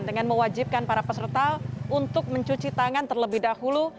dengan mewajibkan para peserta untuk mencuci tangan terlebih dahulu